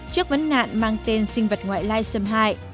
trước vấn nạn mang tên sinh vật ngoại lai xâm hại